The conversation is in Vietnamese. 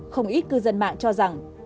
không ít cư dân mạng cho rằng